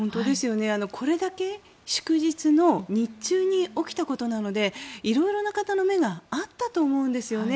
これだけ祝日の日中に起きたことなので色々な方の目があったと思うんですよね。